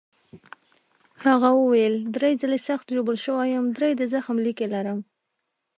هغه وویل: درې ځلي سخت ژوبل شوی یم، درې د زخم لیکې لرم.